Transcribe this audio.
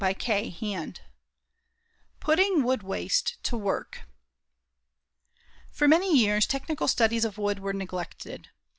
CHAPTER XVII PUTTING WOOD WASTE TO WORK For many years technical studies of wood were neglected.